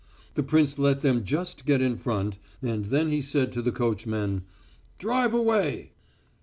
The prince let them just get in front, and then he said to the coachman: "Drive away!"